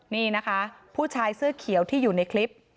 นี่นะคะผู้ชายเสื้อเขียวที่อยู่ในคลิป